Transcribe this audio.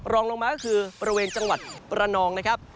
รองลงมาก็คือบริเวณจังหวัดประนองนะครับ